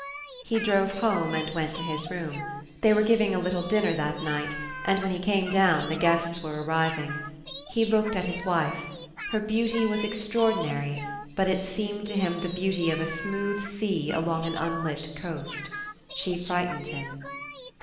He drove home and went to his room. They were giving a little dinner that night, and when he came down the guests were arriving. He looked at his wife: her beauty was extraordinary, but it seemed to him the beauty of a smooth sea along an unlit coast. She frightened him.